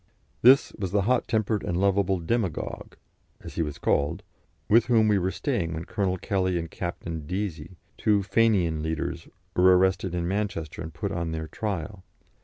This was the hot tempered and lovable "demagogue," as he was called, with whom we were staying when Colonel Kelly and Captain Deasy, two Fenian leaders, were arrested in Manchester and put on their trial.